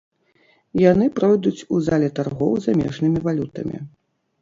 Яны пройдуць у зале таргоў замежнымі валютамі.